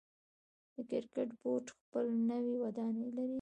د کرکټ بورډ خپل نوی ودانۍ لري.